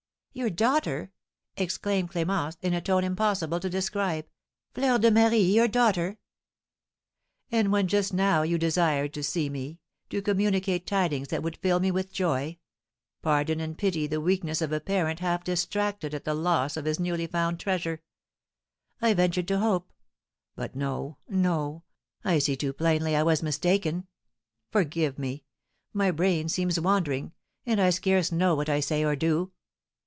"Your daughter!" exclaimed Clémence, in a tone impossible to describe. "Fleur de Marie your daughter!" "And when just now you desired to see me, to communicate tidings that would fill me with joy, pardon and pity the weakness of a parent half distracted at the loss of his newly found treasure! I ventured to hope But no, no, I see too plainly I was mistaken! Forgive me, my brain seems wandering, and I scarce know what I say or do."